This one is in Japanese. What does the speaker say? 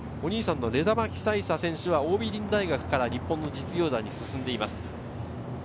お兄さんのレダマ・キサイサ選手は桜美林大学から日本の実業団に進んでいます。